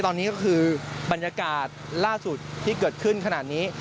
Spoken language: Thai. ตอนนี้ก็คือบรรยากาศล่าสุดที่เกิดขึ้นขนาดนี้